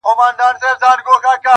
په توبو یې راولمه ستا تر ځایه!!